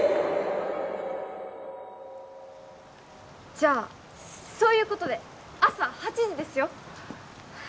じゃあそういうことで朝８時ですよ